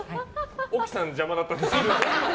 沖さん、邪魔だったんですけど。